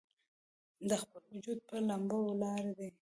د خپل وجود پۀ ، لمبه ولاړ دی